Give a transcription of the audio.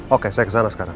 oke saya kesana sekarang